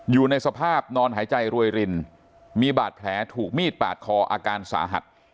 อยู่ในสภาพนอนหายใจรวยรินมีบาดแผลถูกมีดปาดคออาการสาหัส